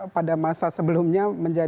pada masa sebelumnya